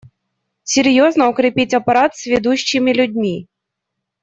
Серьезно укрепить аппарат сведущими людьми.